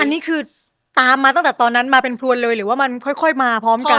อันนี้คือตามมาตั้งแต่ตอนนั้นมาเป็นพลวนเลยหรือว่ามันค่อยมาพร้อมกัน